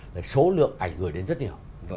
là số lượng ảnh gửi đến rất nhiều